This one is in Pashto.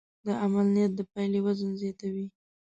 د عمل نیت د پایلې وزن زیاتوي.